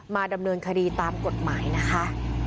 ดำเนินคดีตามกฎหมายนะคะ